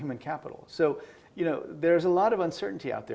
menjadi pemerintah pembangunan